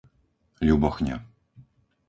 Ľubochňa